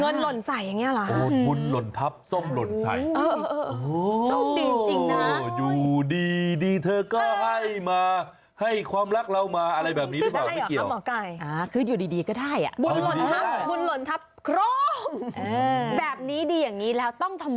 เงินหล่นใสอย่างนี้เหรอ